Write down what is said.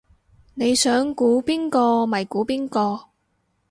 你想估邊個咪估邊個